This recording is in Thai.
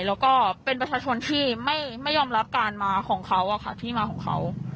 และก็เป็นประชาชนที่ไม่ยอมรับการมาของเขา